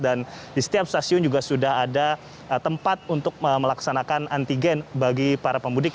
dan di setiap stasiun juga sudah ada tempat untuk melaksanakan antigen bagi para pemudik